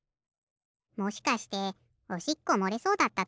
もしかしておしっこもれそうだったとか？